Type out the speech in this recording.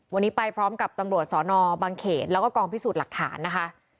วันนี้ไปพร้อมกับตำรวจสอนอบางเขตแล้วก็กองพิสูจน์หลักฐานนะคะ